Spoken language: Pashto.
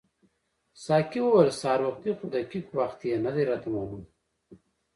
ساقي وویل سهار وختي خو دقیق وخت یې نه دی راته معلوم.